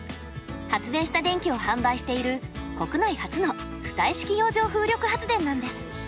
発電した電気を販売している国内初の浮体式洋上風力発電なんです。